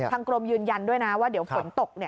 กรมยืนยันด้วยนะว่าเดี๋ยวฝนตก